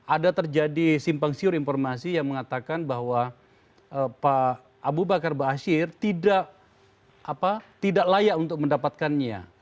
ada terjadi simpang siur informasi yang mengatakan bahwa pak abu bakar ⁇ baasyir ⁇ tidak layak untuk mendapatkannya